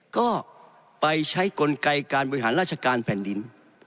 ก็ไปใช้กลไกการบริหารราชการแผ่นดิน